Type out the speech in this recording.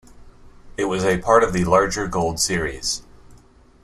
It was a part of the larger Gold series.